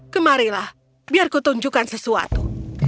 kemarilah biar kutunjukkan sesuatu